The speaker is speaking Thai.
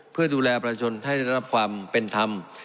เพื่อดูแลประชาชนให้ได้รับความเป็นธรรม